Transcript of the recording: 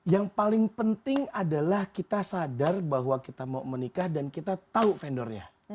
yang paling penting adalah kita sadar bahwa kita mau menikah dan kita tahu vendornya